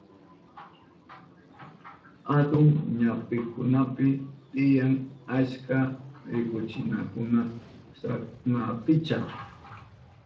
Atun ñampikunapi tiyan achka rikuchinakuna kasunanchipa.